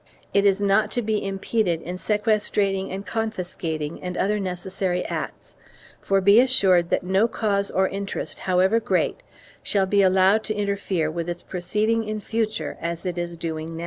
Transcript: It is not to be impeded in sequestrating and confiscating and other necessary acts, for be assured that no cause or interest, however great, shall be allowed to interfere with its proceeding in future as it is now doing."